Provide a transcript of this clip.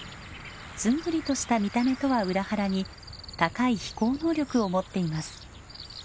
ずんぐりとした見た目とは裏腹に高い飛行能力を持っています。